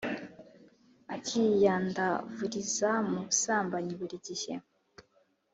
akiyandavuriza mu busambanyi buri gihe